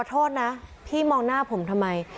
โทษนะพี่มองหน้าผมทำไม